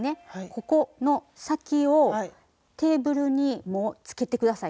ここの先をテーブルにもうつけて下さい。